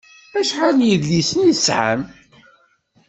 Acḥal n yedlisen i tesɛam?